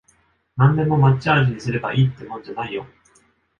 なんでも抹茶味にすればいいってもんじゃないよ